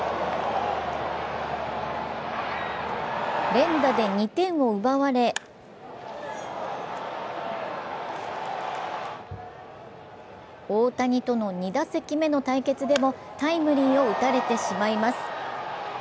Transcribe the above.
連打で２点を奪われ大谷との２打席目の対決でもタイムリーを打たれてしまいます。